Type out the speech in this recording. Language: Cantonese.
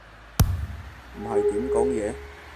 唔係點講嘢